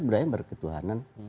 budaya yang berketuhanan